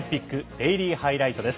デイリーハイライトです。